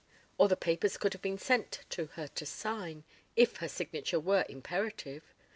Or the papers could have been sent to her to sign, if her signature were imperative.